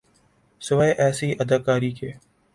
سوائے ایسی اداکاری کے۔